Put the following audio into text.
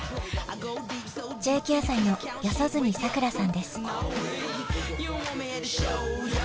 １９歳の四十住さくらさんです